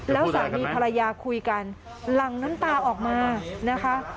แล้วสามีภรรยาคุยกันหลังน้ำตาออกมานะคะ